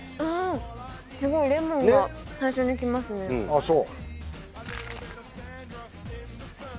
あっそう？